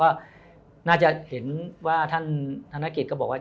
ก็น่าจะเห็นว่าท่านธนกิจก็บอกว่า